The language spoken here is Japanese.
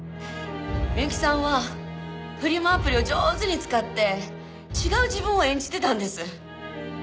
美由紀さんはフリマアプリを上手に使って違う自分を演じてたんです。